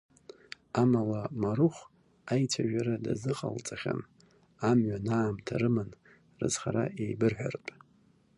Амала, Марыхә аицәажәара дазыҟалҵахьан, амҩан аамҭа рыман, рызхара еибырҳәартә.